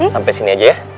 sampai sini aja ya